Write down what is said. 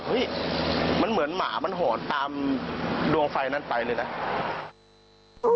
เฮ้ยมันเหมือนหมามันหอนตามดวงไฟนั้นไปเลยนะ